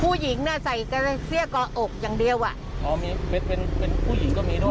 ผู้หญิงน่ะใส่เสื้อกอดอกอย่างเดียวอ่ะอ๋อมีเป็นเป็นผู้หญิงก็มีด้วย